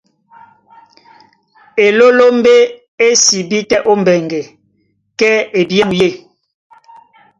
Elólómbé é sibí tɛ́ ó mbɛŋgɛ, kɛ́ ebyámu yê.